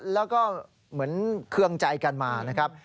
แล้วก็เหมือนเคืองใจกันมานะครับ